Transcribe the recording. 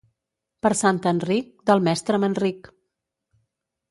Per Sant Enric, del mestre me'n ric.